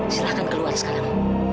silahkan keluar sekarang